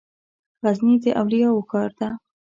غزني د اولياوو ښار ده